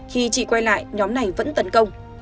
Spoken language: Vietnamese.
khi chị quay lại nhóm này vẫn tấn công